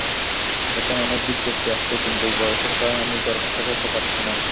এখন অনেক বিজ্ঞপ্তি আসছে কিন্তু বয়সের কারণে আমি দরখাস্ত করতে পারছি না।